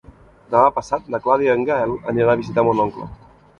Demà passat na Clàudia i en Gaël aniran a visitar mon oncle.